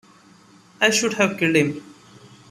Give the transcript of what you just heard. I should have killed him!